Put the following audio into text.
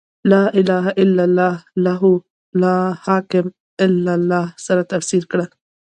«لا اله الا الله» له «لا حاکم الا الله» سره تفسیر کړه.